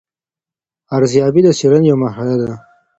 ارزیابي د څېړنې یوه مرحله ده.